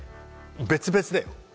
別々でよ。